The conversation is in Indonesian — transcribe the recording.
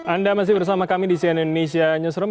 anda masih bersama kami di cnn indonesia newsroom